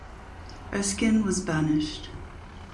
Erskine was banished.